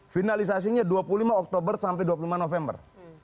finalisasinya dua puluh lima oktober sampai dua puluh lima november